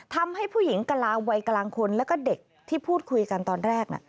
ทำให้ผู้หญิงกลาวัยกลางคนแล้วก็เด็กที่พูดคุยกันตอนแรก